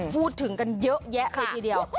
พูดถึงกันเยอะแยะเลยทีเดียว